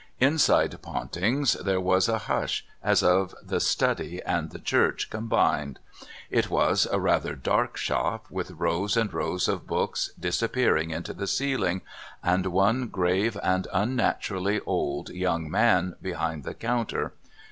Inside Pontings there was a hush as of the study and the church combined. It was a rather dark shop with rows and rows of books disappearing into the ceiling, and one grave and unnaturally old young man behind the counter.